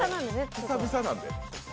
久々なんでね。